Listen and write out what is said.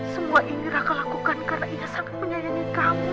semua ini raka lakukan karena ia sangat menyayangi kamu